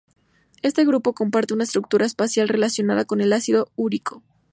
Este grupo comparte una estructura especial relacionada con el ácido úrico.